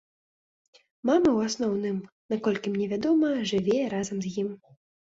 Мама ў асноўным, наколькі мне вядома, жыве разам з ім.